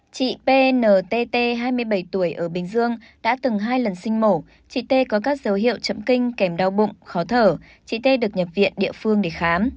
chị ptt hai mươi bảy tuổi ở bình dương đã từng hai lần sinh mổ chị t có các dấu hiệu chậm kinh kèm đau bụng khó thở chị t được nhập viện địa phương để khám